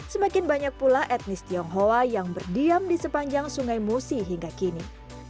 semakin banyak pula etnis tionghoa yang berdiam di sepanjang sungai musi hingga kini